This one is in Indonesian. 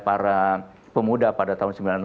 para pemuda pada tahun